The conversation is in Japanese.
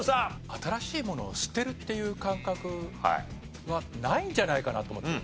新しいものを捨てるっていう感覚はないんじゃないかなと思って。